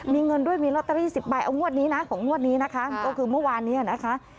มีเงินด้วยมีลอตเตอรี่๑๐ใบเอางวดนี้นะของงวดนี้นะคะก็คือเมื่อวานนี้นะคะ